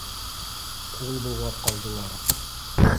Ҡул болғап ҡалдылар